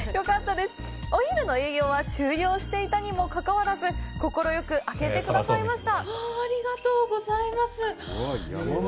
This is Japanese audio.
お昼の営業は終了していたにもかかわらず、快く開けてくださいました！